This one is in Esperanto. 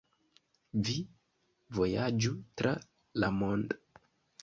Vi vojaĝu tra la mond'